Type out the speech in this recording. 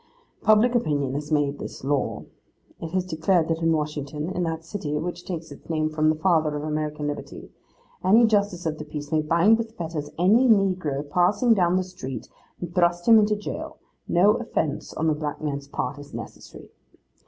Public opinion has made this law.—It has declared that in Washington, in that city which takes its name from the father of American liberty, any justice of the peace may bind with fetters any negro passing down the street and thrust him into jail: no offence on the black man's part is necessary.